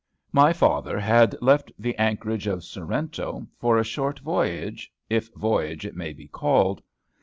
My father had left the anchorage of Sorrento for a short voyage, if voyage it may be called.